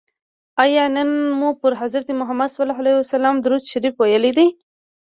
آیا نن مو پر حضرت محمد صلی الله علیه وسلم درود شریف ویلي دی؟